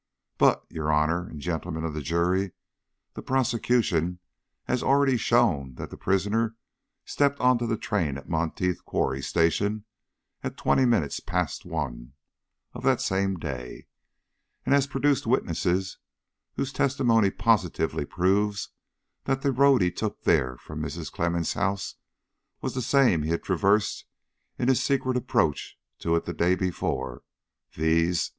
But, your Honor and Gentlemen of the Jury, the prosecution has already shown that the prisoner stepped on to the train at Monteith Quarry Station at twenty minutes past one of that same day, and has produced witnesses whose testimony positively proves that the road he took there from Mrs. Clemmens' house was the same he had traversed in his secret approach to it the day before viz.